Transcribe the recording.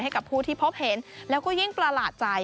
ให้กับผู้ที่พบเห็นแล้วก็ยิ่งประหลาดใจ